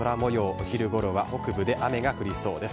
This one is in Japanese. お昼ごろは北部で雨が降りそうです。